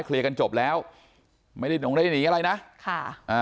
เคลียร์กันจบแล้วไม่ได้หนีอะไรนะค่ะอ่า